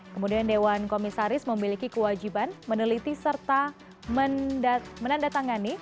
kemudian dewan komisaris memiliki kewajiban meneliti serta menandatangani